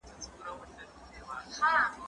زه به د کتابتون د کار مرسته کړې وي،